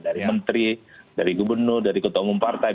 dari menteri dari gubernur dari ketua umum partai